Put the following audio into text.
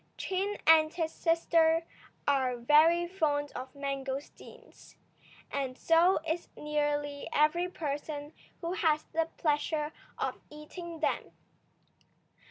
Chin and his sister are very fond of mangosteens, and so is nearly every person who has the pleasure of eating them.